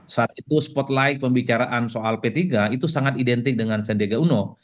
saat itu spotlight pembicaraan soal p tiga itu sangat identik dengan sendega uno